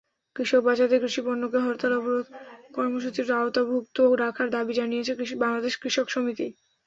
কৃষক বাঁচাতে কৃষিপণ্যকে হরতাল-অবরোধ কর্মসূচির আওতামুক্ত রাখার দাবি জানিয়েছে বাংলাদেশ কৃষক সমিতি।